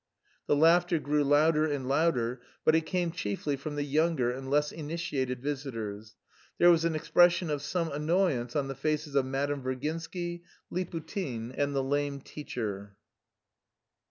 The laughter grew louder and louder, but it came chiefly from the younger and less initiated visitors. There was an expression of some annoyance on the faces of Madame Virginsky, Liputin, and the lame teacher.